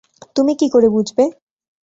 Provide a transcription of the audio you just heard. তুমি কী করে বুঝবে?